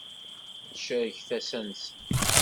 Tcerreg tasa-nsent.